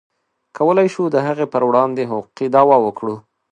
کولی شو د هغې پر وړاندې حقوقي دعوه وکړو.